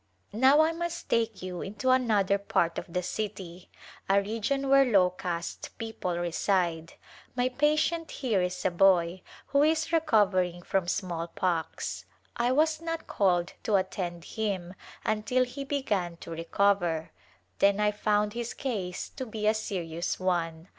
Now I must take you into another part of the city, a region where low caste people reside. JVly patient here is a boy who is recovering from smallpox. I was not called to attend him until he began to re cover, then I found his case to be a serious one.